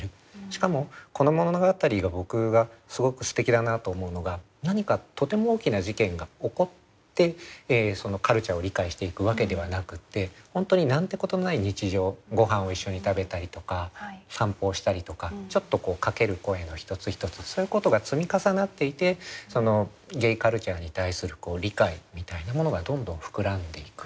しかもこの物語が僕がすごくすてきだなと思うのが何かとても大きな事件が起こってそのカルチャーを理解していくわけではなくって本当に何てことない日常ごはんを一緒に食べたりとか散歩をしたりとかちょっとかける声の一つ一つそういうことが積み重なっていてそのゲイカルチャーに対する理解みたいなものがどんどん膨らんでいく。